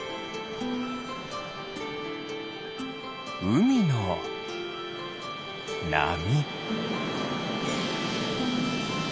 うみのなみ。